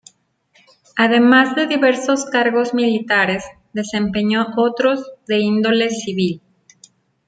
Además de diversos cargos militares, desempeñó otros de índole civil.